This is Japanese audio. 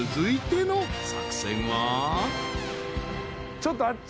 ちょっとあっち